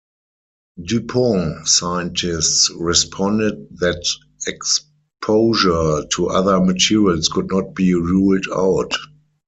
DuPont scientists responded that exposure to other materials could not be ruled out.